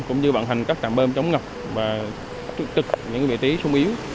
cũng như bản hành các trạm bơm chống ngập và trực trực những vị trí sống yếu